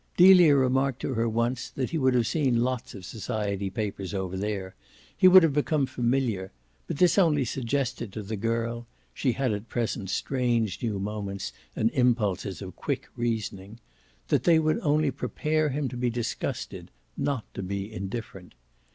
Delia remarked to her once that he would have seen lots of society papers over there, he would have become familiar; but this only suggested to the girl she had at present strange new moments and impulses of quick reasoning that they would only prepare him to be disgusted, not to be indifferent.